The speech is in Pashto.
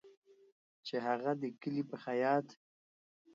چې هغه د کلي په خیاط